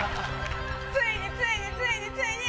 ついについについについに！